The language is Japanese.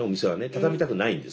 畳みたくないんですね。